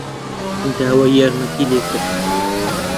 داوای یارمەتیی لێ کرد.